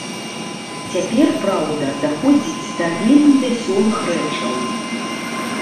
Цяпер, праўда, даходзіць да вельмі вясёлых рэчаў.